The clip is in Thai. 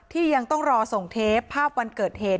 ยังต้องรอส่งเทปภาพวันเกิดเหตุ